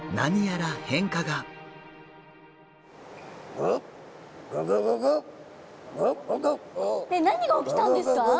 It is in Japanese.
えっ何が起きたんですか？